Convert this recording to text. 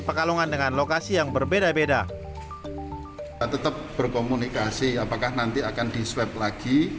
pekalongan dengan lokasi yang berbeda beda tetap berkomunikasi apakah nanti akan di swab lagi